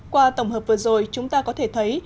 qua tổng hợp vừa rồi chúng ta có thể thấy